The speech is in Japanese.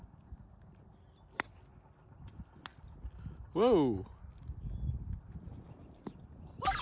ワオ！